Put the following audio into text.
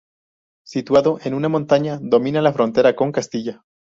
Situado en una montaña, domina la frontera con Castilla.